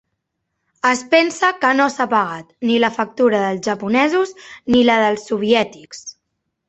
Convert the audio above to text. Es pensa que no s'ha pagat ni la factura dels japonesos ni la dels soviètics.